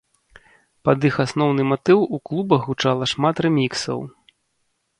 Пад іх асноўны матыў у клубах гучала шмат рэміксаў.